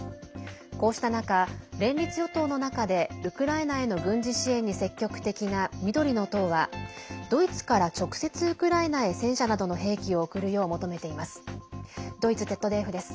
こうした中、連立与党の中でウクライナへの軍事支援に積極的な緑の党はドイツから直接ウクライナへ戦車などの兵器を送るよう求めています。